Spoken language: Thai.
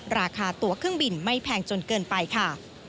ราคาตัวเครื่องบินไม่แพงจนเกินไปค่ะ